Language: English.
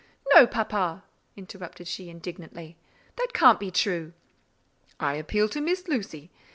"No, papa," interrupted she indignantly, "that can't be true." "I appeal to Miss Lucy.